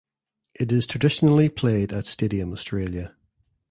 It is traditionally played at Stadium Australia.